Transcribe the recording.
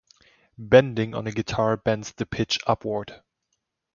Bending on a guitar bends the pitch upward.